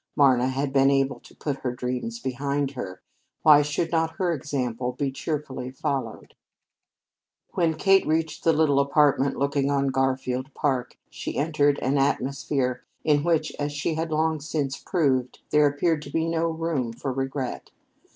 Marna had been able to put her dreams behind her; why should not her example be cheerfully followed? When Kate reached the little apartment looking on Garfield Park, she entered an atmosphere in which, as she had long since proved, there appeared to be no room for regret.